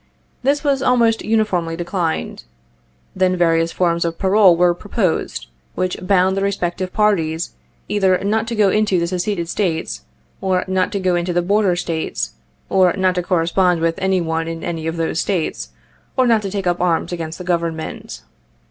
This was almost uniformly declined. Then various forms of parole were proposed, which bound the respective parties either not to go into the Seceded States, or not to go into the Border States, or not to correspond with any one in any of those States, or not to take up arms against the Government.